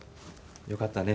よかったね